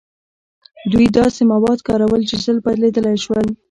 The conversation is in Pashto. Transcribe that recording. دوی داسې مواد کارول چې ژر بدلیدلی شول.